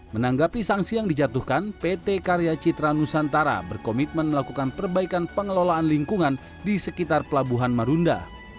menanggapi sanksi yang dijatuhkan pt karya citra nusantara berkomitmen melakukan perbaikan pengelolaan lingkungan di sekitar pelabuhan marunda